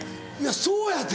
そうやて。